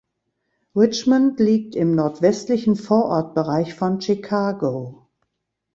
Richmond liegt im nordwestlichen Vorortbereich von Chicago.